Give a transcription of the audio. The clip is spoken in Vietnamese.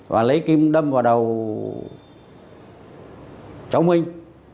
và lấy kim đâm vào đầu cháu minh